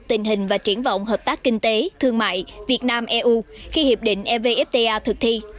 tình hình và triển vọng hợp tác kinh tế thương mại việt nam eu khi hiệp định evfta thực thi